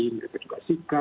mereka juga sikap